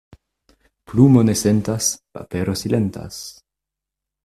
Plumo ne sentas, papero silentas.